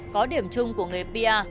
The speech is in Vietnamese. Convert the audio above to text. có điểm chung của nghề pr